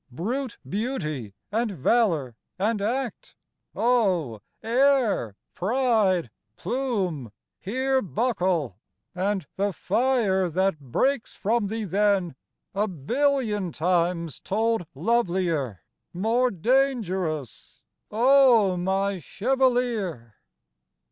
Brute beauty and valour and act, oh, air, pride, plume, here Buckle! AND the fire that breaks from thee then, a billion Times told lovelier, more dangerous, O my chevalier!